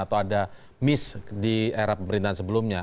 atau ada miss di era pemerintahan sebelumnya